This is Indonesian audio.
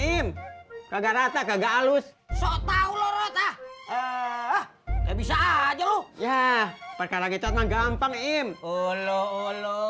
im kagak rata kagak alus so taulah rota eh bisa aja loh ya perkaranya catnya gampang im ulu ulu